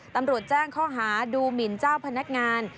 ตำรวจแจ้งข้อหาดูหมินเจ้าพนักงาน